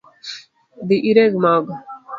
Dhi ireg mogo